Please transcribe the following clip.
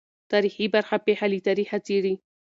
تاریخي برخه پېښه له تاریخه څېړي.